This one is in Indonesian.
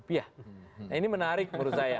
ini menarik menurut saya